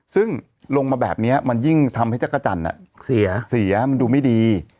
ซึ่งลงมาแบบนี้มันยิ่งทำให้จักรจันทร์เสียมันดูไม่ดี